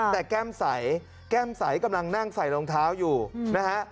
แต่แก้มใสแก้มใสกำลังนั่งใส่รองเท้าอยู่นะฮะ